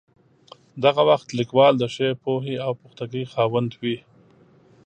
دغه وخت لیکوال د ښې پوهې او پختګۍ خاوند وي.